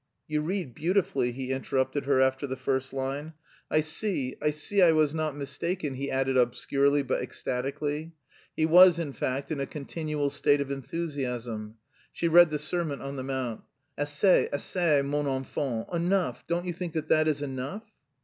"You read beautifully," he interrupted her after the first line. "I see, I see I was not mistaken," he added obscurely but ecstatically. He was, in fact, in a continual state of enthusiasm. She read the Sermon on the Mount. "Assez, assez, mon enfant, enough.... Don't you think that that is enough?"